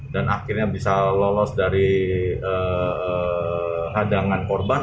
dan akhirnya bisa lolos dari hadangan korban